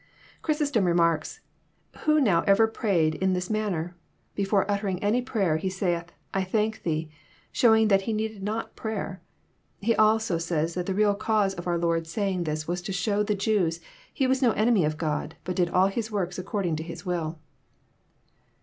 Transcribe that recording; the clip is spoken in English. Chrysostom remarks :'* Who now ever prayed in this man ner? Before uttering any prayer, He saith, 'I thank Thee,' showing that He needed not prayer." He also says that the real cause of our Lord saying this was to show the Jews He was no enemy of God, but did all His works according to His will.